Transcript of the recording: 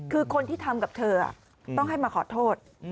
คือคนที่ทำกับเธอต้องให้มาขอโทษ